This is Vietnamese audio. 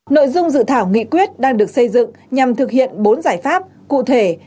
nội dung dự thảo nghị quyết đang được xây dựng nhằm thực hiện bốn giải pháp cụ thể